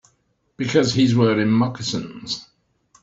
Because he's wearing moccasins.